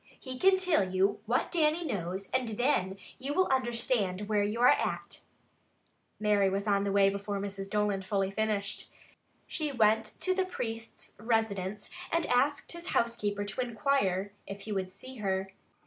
He can till you what Dannie knows and thin you will understand where you are at." Mary was on the way before Mrs. Dolan fully finished. She went to the priest's residence and asked his housekeeper to inquire if he would see her.